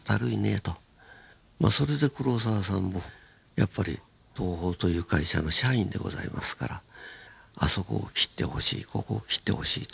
それで黒澤さんもやっぱり東宝という会社の社員でございますからあそこを切ってほしいここを切ってほしいというのでね